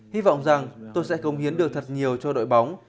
hy vọng rằng tôi sẽ công hiến được thật nhiều cho đội bóng